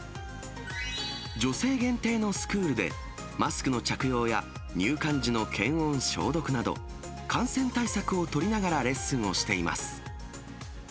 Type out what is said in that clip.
女性限定のスクールで、マスクの着用や、入館時の検温、消毒など、感染対策を取りながらレッスンをしています。